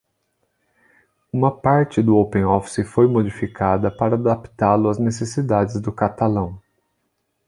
Uma parte do OpenOffice foi modificada para adaptá-lo às necessidades do catalão.